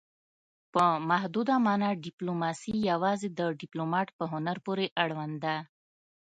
په محدوده مانا ډیپلوماسي یوازې د ډیپلومات په هنر پورې اړوند ده